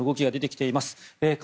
新たな動きが出てきています。